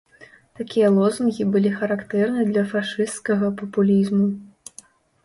Такія лозунгі былі характэрны для фашысцкага папулізму.